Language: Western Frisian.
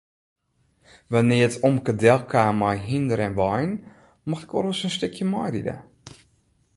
Wannear't omke delkaam mei hynder en wein mocht ik wolris in stikje meiride.